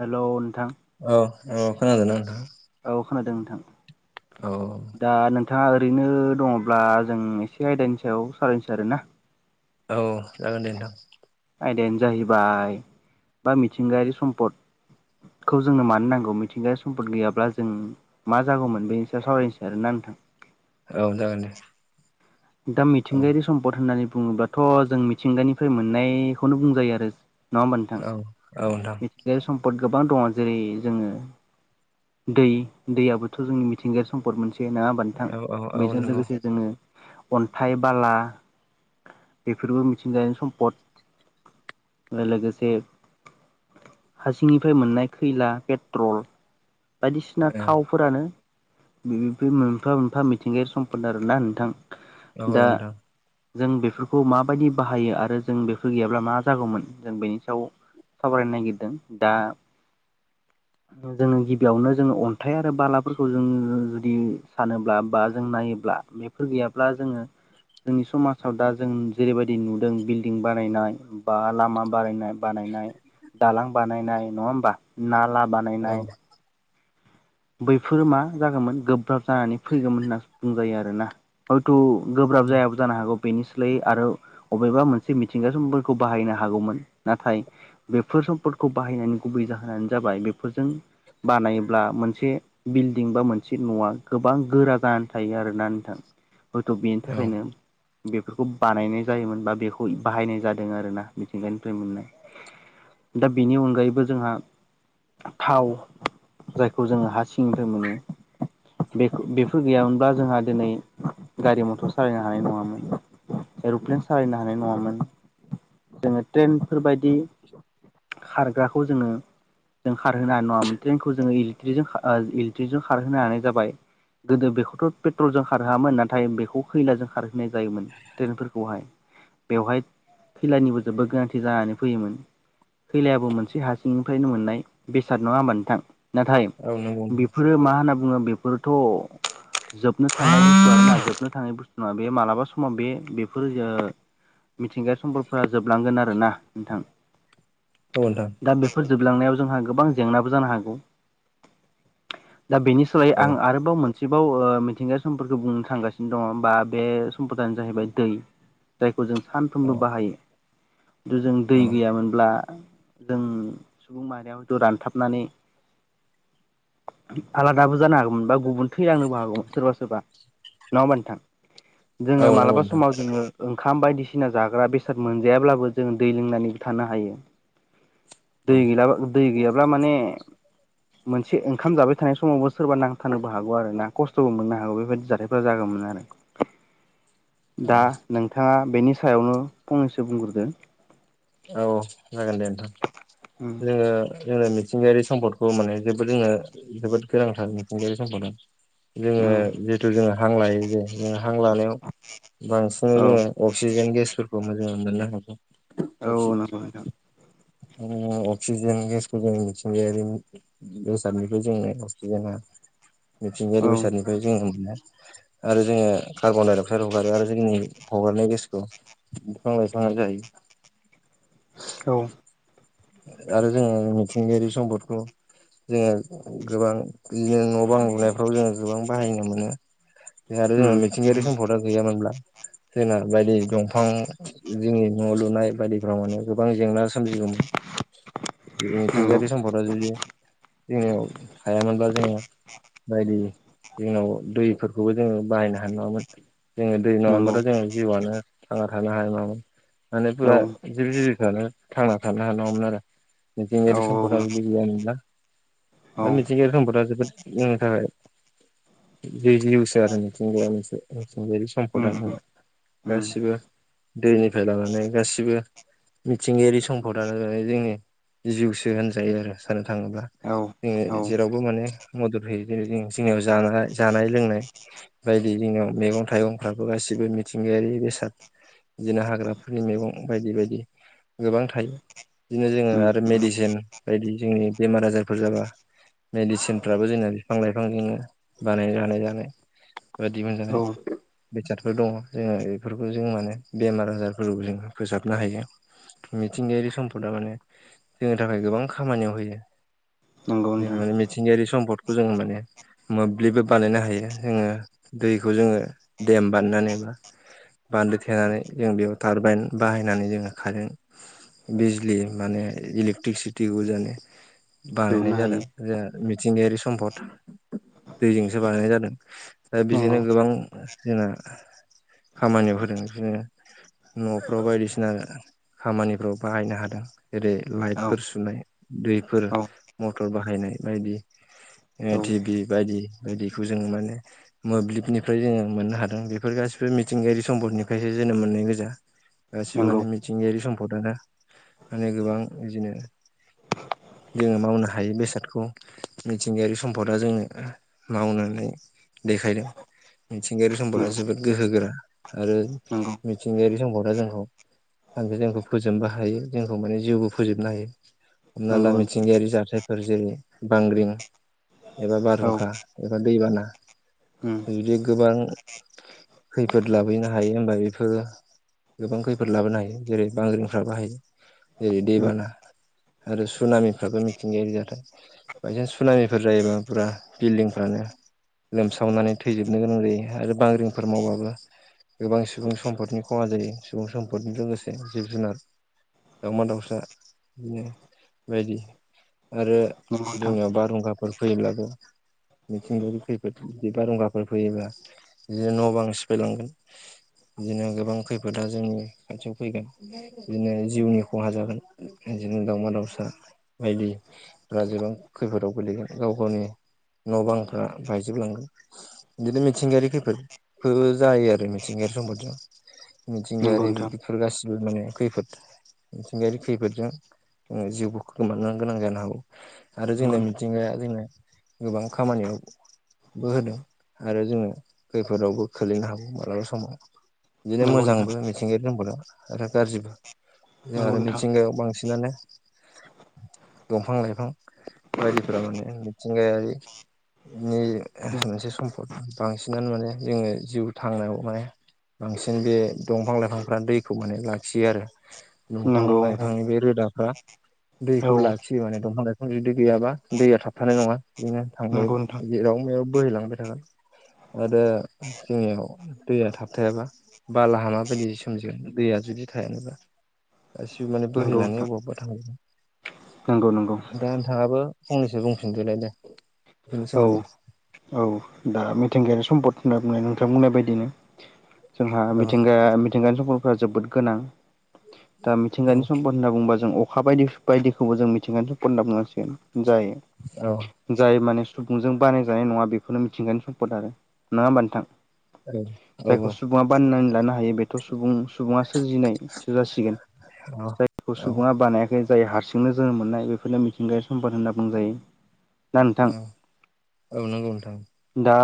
Hello नोंथां। औ औ खोनादोंना नोंथाङा? औ खोनादों नोंथां। औ दा नोंथाङा ओरैनो दंङब्ला जों एसे आयदानि सायाव सालायनोसै आरोना। औ जागोन दे नोंथां। आयदायानो जाहैबाय बा मिथिंगायारि सम्पद। खौ जोंनो मानो नांगौ मिथिंगारि सम्पद गैयाब्ला जों मा जागौमोन बेनिसायाव सावरायनोसै आरोना नोंथां? औ जागोन दे। दा औ मिथिंगायारि सम्पद होननानै बुङोब्लाथ' जों मिथिंगानिफ्राय मोननायखौनो बुंजायो आरो। नङा होमबा नोंथां औ औ नोंथां मिथिंगायारि सम्पद गोबां दङ जेरै जोङो दै दैयाबोथ' जोंनि मिथिंगायारि सम्पद मोनसे नोङा होनबा नोंथां औ औ औ बैजों नंगौ लोगोसे जोङो अन्थाइ बाला बेफोरबो मिथिंगायानि सम्पद। ओ लोगोसे हासिंनिफ्राय मोननाय खैला पेट्रल औ बायदिसिना थावफोरानो [unintelligible] बे मोनफा मोनफा मिथिंगायारि सम्पद आरोना नोंथां। औ दा नोंथां जों बेफोरखौ माबायदि बाहायो आरो जों बेफोर गैयाब्ला मा जागौमोन जों बेनि सायाव सावरायनो नागिरदों दा जोङो गिबियावनो जोङो हाथथाय आरो बालाफोरखौ जों जुदि सानोब्ला बा जों नायोब्ला बेफोर गैयाब्ला ब्ला जोङो जोंनि समाजाव दा जों जेरैबायदि नुदों बिल्डिं बारायनाय बा लामा बारायनाय बानायनाय दालां बानायनाय नङा होमबा नाला औ बानायनाय। बैफोरो मा जागौमोन गोब्राब जानानै फैगौमोन होनना बुंजायो आरोना। हयथु गोब्राब जायामोन। जानो हागौ बेनि सोलायै आरो अबेबा मोनसे मिथिंगासफोरखौ बाहायनो हागौमोन नाथाय बेफोर सम्पदखौ बाहायनानै गुबै जाहोनानो जाबाय बेफोरजों बानायोब्ला मोनसे मोनसे बिल्डिं बा मोनसे न'आ गोबां गोरा जानानै थायो आरो ना नोंथां। हयथ' बेनि औ थाखायनो बेफोरखौ बानायनाय जायोमोन बा बेखौ बाहायनाय जादों आरोना मिथिंगानिफ्राय मोननाय दा बेनि अनगायैबो जोंहा थाव खौ जोङो हा सिंनिफ्राय मोनो। बे बेफोर गैयामोनब्ला जोंहा दिनै गारि मथर सालायनो हानाय नङामोन। एर'प्लेन सालायनो हानाय नङामोन जोङो ट्रेनफोरबायदि खारग्राखौ जोङो जों खारहोनो हानाय नङामोन ट्रेनखौ जोङो जों इलेकट्रिकजों खारहोनो हानो जाबाय। गोदो बेखौथ' पेट्रलजों खारहोआमोन नाथाय बेखौ खैलाजों खार होननाय जायोमोन ट्रेनफोरखौहाय बेवहाय खैलानिबो जोबबो गोनांथि जानानै फैयोमोन। खैलायाबो मोनसे हारसिंनिफ्रायनो मोननाय बेसाद नङा होमबा नोंथां नाथाय औ नंगौ। बेफोरो मा होनना बुङो बेफोरथ' जोबनो थांनाय बुसतुआ जोबनो थांनाय बुस्थु नङा बे मालाबा समाव बे बेफोर ओ मिथिंगाया सम्बलफोरा जोबलांगोन आरो ना नोंथां। औ नोंथां। दा बेफोर जोबलांनायाव जोंहा गोबां जेंनाबो जानो हागौ। दा बेनि सोलायै औ नोंथां आं आरो बाव मोनसेबाव ओ मिथिंगायारि सम्फदफोरखौ बुंनो थांगासिनो दङ बा बे सम्पदानो जाहैबाय दै जायखौ जों औ सानफ्रोमबो बाहायो। खिन्थु जों दै गैयामोनब्ला जों सुबुं माहारियाव हयथ' रानथाबनानै आलादाबो जानो हागौमोन बा गुबुन थैलांनोबो हागौमोन सोरबा सोरबा नङा होमबा नोंथां। औ जोङो नंगौ मालाबा नोंथां समाव जोङो ओंखाम बायदिसिना जाग्रा बेसाद मोनजायाब्लाबो जोङो दै लोंनानै थानो हायो। औ दै गैलाबा दै गैयाब्ला माने मोनसे ओंखाम जाबाय थानाय समावबो सोरबा नांथारानोबो हागौ आरो ना खस्थ'बो मोननो हागौ बेबायदि जाथायफोरा जागौमोन आरो। औ दा नोंथाङा बेनि सायावनो फंनैसो बुंग्रोदो। औ जागोन दे नोंथां उम जोङो जोंनो मिथिंगायारि सम्पदखौ माने जोङो जोबोद गोनांथार मिथिुंगायारि सम्दआ जोङो बे औ जिथु जोङो हां लायो जे जो हां लानायाव बांसिनै औ जोङो अक्सिजेन गेसफोरखौ मोजाङै मोननो हागौ। औ नंगौ नोंथां अक्सिजेन गेसखौ जोङो बेसादनिफ्राय जोंङो अक्सिजेना औ मिथिंगायारि बेसादनिफ्राय जोङो मोनो। आरो जोङो कार्बन डाइ अक्साइद हगारो आरो जोंनि हगारनाय गेसखौ बिफां लाइफांआ जायो। औ। आरो जोङो मिथिंगायारि सम्पदखौ जोङो गोबां बिदिनो न' बां लुनायफ्राव जोङो गोबां बाहायनो मोनो जे आरो उम मिथिंगायारि सम्पदआ गैयामोनब्ला जार बायदि दंफां जोंनि न' लुनाय बायदिफ्राव माने गोबां जेंना सोमजिगौ जों नंगौ मिथिंगायारि सम्पदा जुदि जोंनियाव हायामोनब्ला जोङो बायदि जोंनाव दैफोरखौबो जोङो बाहायनो हानाय नङामोन जोङो दै नंगौ नङाबाथ' जोङो जिउआनो थांना थानो हाया नामोन माने औ फुरा जिब जिबिफ्रानो थांना थानो हानांगौमोन आरो औ मिथिंगायारि सम्पदआ जुदि गैयामोनब्ला औ दा मिथिंगायारि सम्पदआ जोबोद जोंनि थाखाय बे जिउसो आरो मिथिंगाया मोनसे मिथिंगारि उम सम्पदा उम उम गासिबो दैनिफ्राय लानानै गासिबो मिथिंगायारि सम दानोनानै जोंनि जिउसो होनजायो आरो सानो थाङोब्ला औ जोङो औ जेरावबो माने मदद होयो जेरै जों जोंनियाव जानाय जानाय लोंनाय बायदि जोंङनाव मैगं थाइगंफ्राबो गासिबो मिथिंगायारि बेसाद दिनो हाग्राफोरनि मैगं बायदि बायदि गोबां थायो। बिदिनो जोङो औ आरो मेडिसिन बायदि जोंनि बेमार आजारफोर जाबा मेडिसिनफ्राबो जोंना बिफां लाइफांजोंनो बानाय हानाय जानाय बेबायदि मोनजानाय बेसादफोर दङ जोङो बेफोरखौ जों माने बेमार आजारफोर जोङ फोसाबनो हायो मिथिंगायारि सम्पदा माने जोंनि थाखाय गोबां खामानियाव होयो नंगौ नोंथां जोङो मिथिंगायारि सम्दखौ जोङो माने मोब्लिबबो बानायनो हायो जोङो दैखौ जोङो देम बानायनानैबा बान्दो थेनानै जों बेयाव टारबाइन बाहायनानै जोङो खारेन्ट बिजलि माने इलेक्ट्रिसिटिखौ जाने बानायनाय दिहुननो हायो जादों ज मिथिंगायारि सम्पद दैजोंसो बानायनाय जादों दा नंगौ बेजोंनो गोबां जोंना खामानियाव होदों बिदिनो न'फ्राव बायदिसिना खामानिफ्राव बाहायनो हादों जेरै औ लाइटफोर सुनाय दैफोर औ मटर बाहायनाय बायदि औ टिभि बायदि बायदिखौ जों माने मोब्लिबनिफ्राय जोङो मोननो हादों बेफोर गासिबो मिथिंगायारि सम्पदनिफ्रायसो जोनोम मोन्नाय गोजा गासिबो नंगौ माने मिथिंगायारि सम्पदानो माने गोबां बिदिनो जोङो मावनो हायो बेसादखौ मिथिंगायारि सम्फदा जोंङो मावनानै देखायदों मिथिंगायारि सम्पदा नंगौ जोबोद गोहोगोरा आरो मिथिंगायारि सम्पदा जोंखौ सान जोंखौ फोजोबबो हायो जोंखौ माने जिउबो फोजोबनो हायो हमना ला नंगौ मिथिंगायारि जाथायफोर जेरै बांग्रिं एबा औ बारहुंखा एबा दैबाना जुदि गोबां खैफोद लाबोहैनो हायो होमबा बेफोर गोबां खैफोद लाबोनो हायो जेरै बांग्रि ाब बोाहायो जेरै दैबाना आरो सुनामिफ्राबो मिथिंगायारि जथाय बायसेन्स सुनामिफोर जायोबा पुरा बिल्डिंफ्रानो लोमसावनानै थैजोबनो गोनां जायो आरो बांग्रिंफोर मावबाबो गोबां सुबुं सम्पदनि खहा जायो सुबुं सम्फदजों लोगोसे जिब जुनार दाउमा दाउसा बिदिनो बायदि आरो नंगौ नोंथां जोंनियाव बारहुंखाफोर फैयोब्लाबो मिथिंगावि खैफोद बिदि बारुंगाफोर फैयोबा बिदिनो न' बां सिफायलांगोन बिदिनो गोबां खैफोदा जोंनि खाथियाव फैगोन बिदिनो जिउनि खहा जागोन बिदिनो दाावमा दाउसा बायदि ओ जेबां खैफोदाव गोलैगोन गाव गावनि न' बांफ्रा बायजोबलांगोन। बिदिनो मिथिंगायारि खैफोदखौ जायो आरो मिथिंगायारि सम्पतयाव जिग नंगौ आरो नोंथां बेफोरुरखौसि माने खैफोद मिथिंगायारि खैफोदजों ओ जिउबो खोमानो गोनां जानो हागौ। आरो नंगौ जोंनो मिथिंगाया जोंनो गोबां खामानियाव बो होदों आरो जोङो खैफोदावबो खोलैनो हागौ मालाबा समाव बिदिनो नोंथां मोजांबो मिथिंगायारि सम्पदा आरो गाज्रिबो ओ नंगौ आरो नोंथां मिथिंगायाव बांसिनानो दंफां लाइफां बायदिफोरा माने मिथिंगायारि नि मोनसे सम्फद बांसिनानो माने जोङो जिउ थांनायाव माने बांसिन बे दंफां लाइफांफ्रा दैखौ माने लाख खियो आरो दंफां नंगौ औ लाइफांनि बे रोदाफ्रा दैखौ लाखियो माने दंफां लाइफां जुदि गैयाबा दैया थाबथानाय नङा बिदिनो नंगौ नोंथां [unintelligible] जेराव मेराव बोहैलांबाय थागोन आरो जोंनियाव दैया थाबथायाबा बालाहामा बायदि सोमजिगोन दैया जुदि थायानोबा गासिबो माने बोहैनानै अबवबा - अबवबा थां नंगौ-नंगौ। दा नोंथाङाबो फंनैसो बुंफिनदोलायदे बेनि औ सोमोन्दै। औ दा मिथिंगायारि सम्पद होनना बुंनाय नोंथां बुंनाय बायदिनो जोंहा औ मिथिंगाया मिथिंगायारि सम्पद फोर जोबोद गोनां। दा औ मिथिंगानि सम्पद होनना बुंबा जों अखा बायदि बायदिखौबो जों मिथिंगानि सम्पद बुंनांसिगोन जाय औ। जाय माने सुबुंजों बानायजानाय नङा बेफोरनो मिथिंगानि सम्पद आरो। नङा होमबा नोंथां? औ - औ - जायखौ औ। सुबुङा बानायनानै लानो हायो बेथ' सुबुं सुबुङा सोरजिनाय सो जासिगोन। औ जायखौ औ सुबुङा बानायाखै जाय हारसिंनो जोनोम मोननाय बेफोरनो मिथिंगायारि सम्पद होनना बुंजायो। ना नोंथां ओं औ नंगौ नोंथां। दा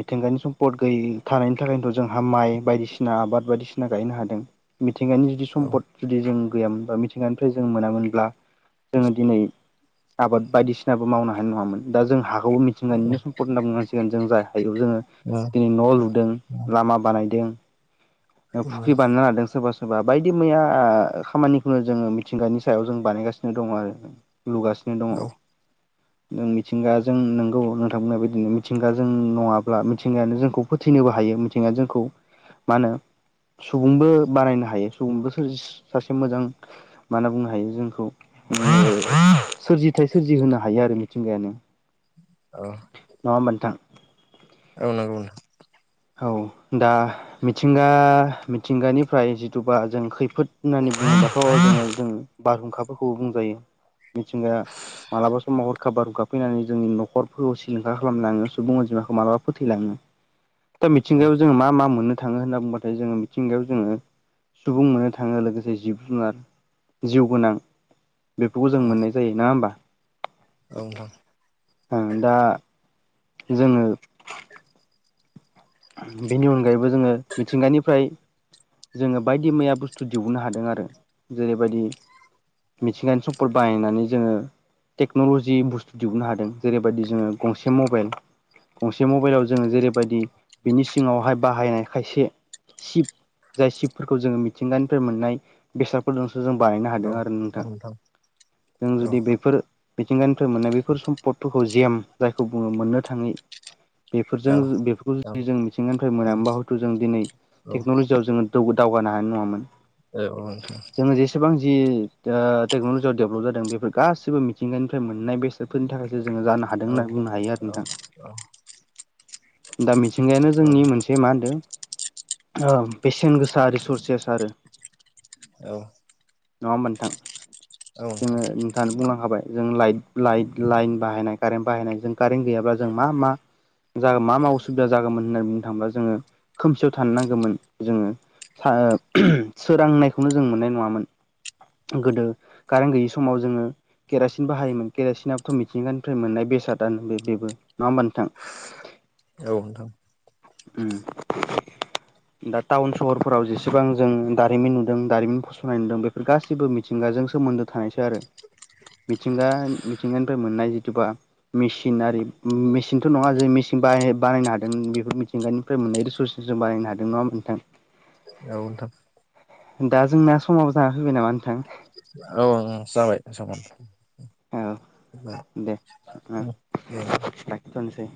मिथिंगानि सम्पद गै थानायनि थाखायनोथ' जोंहा माइ बायदिसिना आबाद बायदिसिना गायनो हादों। मिथिंगानि जुदि औ सम्पद जुदि जों गैयामोन बा मिथिंगानिफ्राय जों मोनामोनब्ला जोङो दिनै आबाद बायदिसिनाबो मावनो हानाय नङामोन दा जों हा खौ मिथिंगानिनो सम्पत होनना बुंनांसिगोन जों जाय हायाव जोङो औ दिनै न' लुदों। लामा बानायदों, ओ फुख्रि बानायनो लादों सोरबा सोरबा बायदि मैया खामानिखौनो जोङो मिथिंगानि सायाव जों बानायगासिनो दङ आरो। लुगासिनो दङ। औ नों मिथिंगाजों नोंगौ नोंथां बुंनाय बिदिनो मिथिंगाजों नङाब्ला मिथिंगायानो जोंखौ फोथैनोबो हायो मिथिंगाया जोंखौ मा होनो सुबुंबो बानायनो हायो सुबुंबो सोरजिस सासे मोजां मा बुंनो हायो जोंखौ ओ सोरजिथाय सोरजिहोनो हायो आरो मिथिंगायानो। अ। नङा नोंथां? ओ नांगौ नो औ दा मिथिंगा मिथिंगानिफ्राय जिथुबा जों खैफोद होननानै बुंङोबाथ' जोङो जों बारहुंखाफोरखौबो बुंजायो मिथिंगा मालाबा समाव हरखाब बारहुंखा फैनानै जोंनि न'खरफोरखौ सिलिंखार खालामलाङो सुबुं अनजिमाखौ मालाबा फोथैलाङो। दा औ मिथिंगायाव जोङो मा-मा मोनो? थाङो होनना बुंबाथाय जोङो मिथिंगायाव जोङो सुबुं मोननो थाङो लोगोसे जिब जुनार जिउ गोनां बेफोरखौ जों मोननाय जायो। नङा होमबा? औ नोंथां। ओ दा जोङो [inaudible] बेनि अनगायैबो जोङो मिथिंगानिफ्राय जोङो बायदि मैया बुस्थु दिहुननो हादों आरो। जेरैबायदि मिथिंगानि सम्द बाहायनानै जोङो टेक्न'लजि बुस्थु दिहुननो हादों। जेरैबायदि जोङो गंसे मबाइल गंसे मबाइलाव जोङो जेरैबायदि बिनि सिङावहाय बाहायनाय खायसे शिब जाय शिबफोरखौ जोङो मिथिंगानिफ्राय मोननाय बेसादफोरजोंसो जों बानायनो औ हादों आरो। औ नोंथां जों औ जुदि बेैफोर मिथिंगानिफ्राय मोननाय बेफोर सम्पदफोरखौ जेम जायखौ बुङो मोननो थाङो बेफोरजों औ बेफोरखौ ज जों मिथिंगानिफ्राय मोनामोनबा हयतु जों दिनै औ नोंथां औ टेकनलि फुजायाव जोङो दावगानो हानाय नङामोन। [unintelligible] जोङो जेसेबां जि टेक्न'लजियाव डेभेलप जादों। बेफोर गासिबो मिथिंगानिफ्राय मोननाय बेसाद बेफोरनि थाखाय जानो हादों औ होनना नोंथां बुंनो हायो आरो नोंथां। दा मिथिंगायानो जोंनि मोनसे बे मा होनदों बेसेन गोसा रिसरसेस आरो। औ। नङा होमबा नोंथां। जोङो नोंथाङा बुंलांखाबाय जों लाइट लाइट लाइन बाहायनाय कारेन्ट बाहायनाय जों कारेन्ट गैयाब्ला जों मा मा ज मा मा असुबिदा जागौमोन होननानै बुंनो थाङोबा जोङो खोमसियाव थानो नांगौमोन जोङो सोरांनायखौनो जों मोननाय नङामोन। गोदो कारेन्ट गैयि समाव जोङो केरासिन बाहायोमोन केरासिनाबथ' मिथिंगानिफ्राय मोननाय बेसादानो बेबो नङा होमबा नोंथां। औ‌ नोंथां। [unintelligible] दा टाउन सहरफोराव जेसेबां जों दारिमिन नुदों दारिमिन फसंनाय नुदों। बे बे गासैबो मिथिंगाजों सोमोन्दो थानायसै आरो। मिथिंगा मिथिंगानिफ्राय मोननाय जिथुबा मेचिन आरि मेसिनथ' नङा जों मेसिन बा बानायनो हादोंमोन। बेफोर मिथि थिंगानिफ्राय मोननाय रिसर्सजों जों बानायायनो हादों नङा नोंथां। औ नोंथां। दा जोंना समाव जाना फैबाय नामा नोंथां। औ जाबाय समान औ दे दे दखिथ'नोसै।